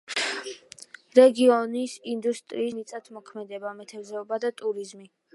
რეგიონის ინდუსტრიის მთავარი დარგებია მიწათმოქმედება, მეთევზეობა და ტურიზმი.